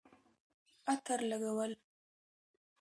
عطر لګول